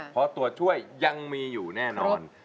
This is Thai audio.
เพราะตัวช่วยยังมีอยู่แน่นอน